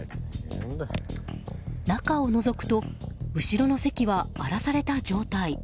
中をのぞくと後ろの席は荒らされた状態。